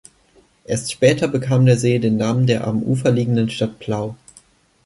Erst später bekam der See den Namen der am Ufer liegenden Stadt Plau.